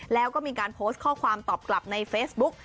แล้วก็มีการโพสต์ข้อความตอบกลับในเฟซบุ๊ก